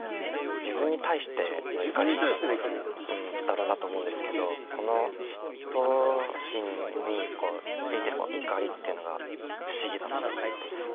自分に対しての怒りだろうなと思うんですけどこの嫉妬心についてるこの怒りっていうのが不思議だなと思ったというか。